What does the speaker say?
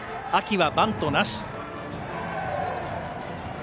秋はバントなし。